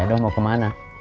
cedoh mau kemana